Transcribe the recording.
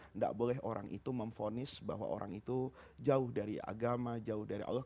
tidak boleh orang itu memfonis bahwa orang itu jauh dari agama jauh dari allah